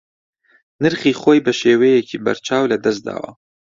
نرخی خۆی بە شێوەیەکی بەرچاو لەدەست داوە